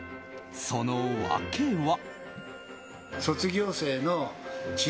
その訳は。